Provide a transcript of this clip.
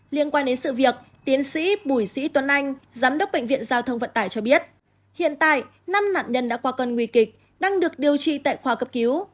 liên quan đến sự việc tiến sĩ bùi sĩ tuấn anh giám đốc bệnh viện giao thông vận tải cho biết hiện tại năm nạn nhân đã qua cơn nguy kịch đang được điều trị tại khoa cấp cứu